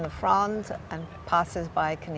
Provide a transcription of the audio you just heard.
dan orang yang datang bisa menikmatinya